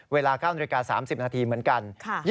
เวลา๙น๓๐นเหมือนกัน